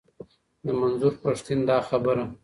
د منظور پښتین دا خبره.